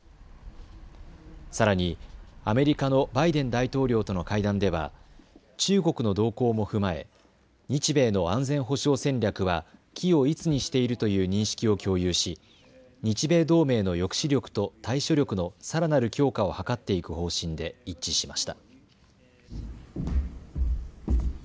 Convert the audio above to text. さらにアメリカのバイデン大統領との会談では中国の動向も踏まえ日米の安全保障戦略は軌を一にしているという認識を共有し、日米同盟の抑止力と対処力のさらなる強化を図っていく方針で一致しました。